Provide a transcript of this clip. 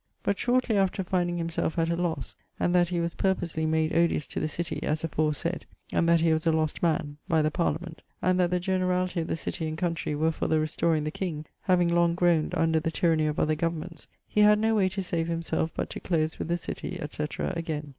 But shortly after finding himselfe at a losse; and that he was (purposely) made odious to the citie, as aforesayd and that he was a lost man by the Parliament; and that the generality of the citie and country were for the restoring the king, having long groaned under the tyranny of other governments; he had no way to save himselfe but to close with the citie, etc., again.